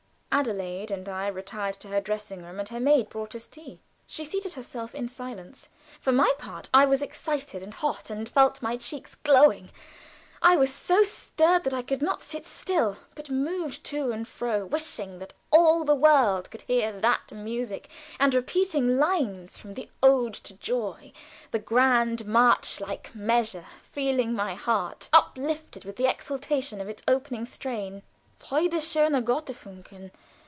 Adelaide and I retired to her dressing room, and her maid brought us tea. She seated herself in silence. For my part, I was excited and hot, and felt my cheeks glowing. I was so stirred that I could not sit still, but moved to and fro, wishing that all the world could hear that music, and repeating lines from the "Ode to Joy," the grand march like measure, feeling my heart uplifted with the exaltation of its opening strain: "Freude, schöner Gotterfunken!